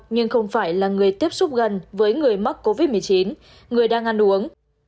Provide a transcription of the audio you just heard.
nhưng không phải là người tiếp xúc gần với người mắc covid một mươi chín người đang ăn uống